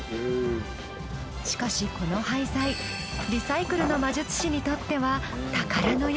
しかしこの廃材リサイクルの魔術師にとっては宝の山。